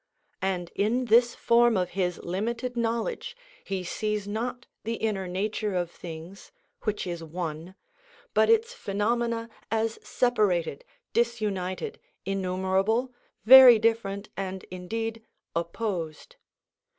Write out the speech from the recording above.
And in this form of his limited knowledge he sees not the inner nature of things, which is one, but its phenomena as separated, disunited, innumerable, very different, and indeed opposed.